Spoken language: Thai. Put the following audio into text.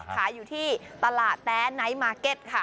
ขายอยู่ที่ตลาดแต๊ไนท์มาร์เก็ตค่ะ